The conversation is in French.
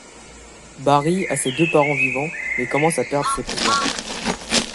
Barry a ses deux parents vivants, mais commence à perdre ses pouvoirs.